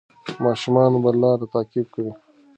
ماشومان به لار تعقیب کړي.